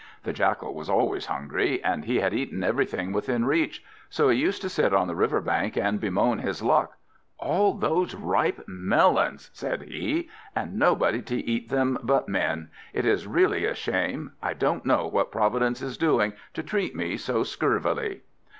The Jackal was always hungry, and he had eaten everything within reach; so he used to sit on the river bank and bemoan his luck. "All those ripe melons," said he, "and nobody to eat them but men. It is really a shame. I don't know what Providence is doing, to treat me so scurvily."